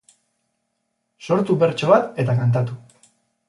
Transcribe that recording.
Sortu bertso bat eta kantatu